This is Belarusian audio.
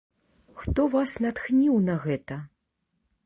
Хто вас натхніў на гэта?